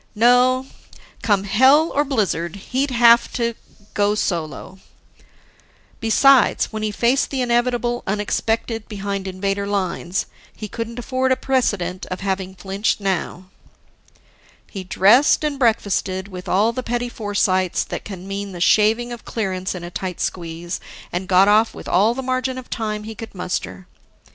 No, come hell or blizzard, he'd have to go solo. Besides, when he faced the inevitable unexpected behind Invader lines, he couldn't afford a precedent of having flinched now. He dressed and breakfasted with all the petty foresights that can mean the shaving of clearance in a tight squeeze, and got off with all the margin of time he could muster.